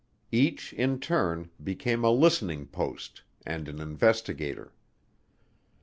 Each, in turn, became a "listening post" and an "investigator."